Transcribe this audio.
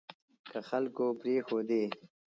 که خلکو پرېښودې